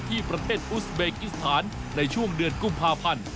ที่ประเทศอุสเบกิสถานในช่วงเดือนกุมภาพันธ์